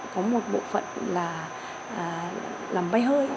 có một bộ phận là làm bay hơi